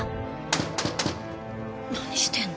何してんの？